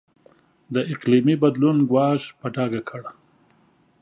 د اقلیمي بدلون ګواښ په ډاګه کړ.